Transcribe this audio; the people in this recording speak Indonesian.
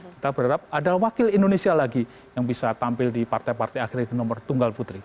kita berharap ada wakil indonesia lagi yang bisa tampil di partai partai akhir nomor tunggal putri